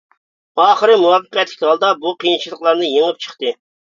ئاخىرى مۇۋەپپەقىيەتلىك ھالدا بۇ قىيىنچىلىقلارنى يېڭىپ چىقتى.